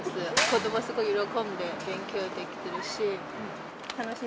子ども、すごく喜んで勉強できてるし。